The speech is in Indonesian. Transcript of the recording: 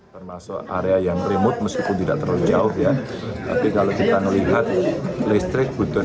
termasuk area yang remote meskipun tidak terlalu jauh ya tapi kalau kita melihat listrik butuh